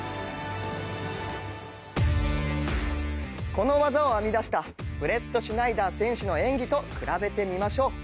この技を編み出したブレットシュナイダー選手の演技と比べてみましょう。